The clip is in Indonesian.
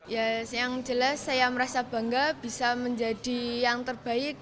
ya yang jelas saya merasa bangga bisa menjadi yang terbaik